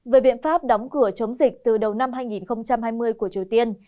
về biện pháp đóng cửa chống dịch từ đầu năm hai nghìn hai mươi của triều tiên